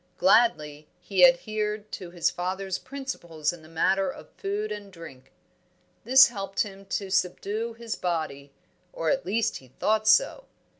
Gladly he adhered to his father's principles in the matter of food and drink; this helped him to subdue his body, or at least he thought so.